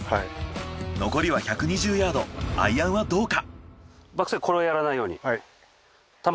残りは１２０ヤードアイアンはどうか？